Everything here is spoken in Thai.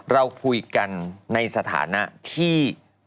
เราคุยกันในสถานะที่